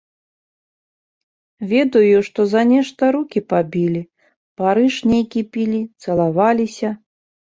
Ведаю, што за нешта рукі пабілі, барыш нейкі пілі, цалаваліся.